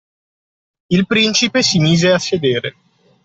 Il principe si mise a sedere